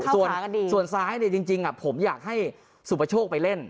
ส่วนซ้ายจริงผมอยากให้สุปโชคไปเล่น